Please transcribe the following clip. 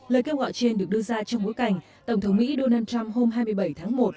lời kêu gọi trên được đưa ra trong bối cảnh tổng thống mỹ donald trump hôm hai mươi bảy tháng một